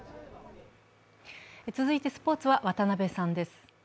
続いて、スポーツは渡部さんです